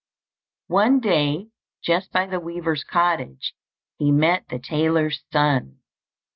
One day, just by the weaver's cottage, he met the tailor's son.